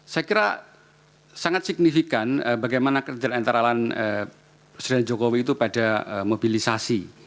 saya kira sangat signifikan bagaimana kerjaan antara presiden jokowi itu pada mobilisasi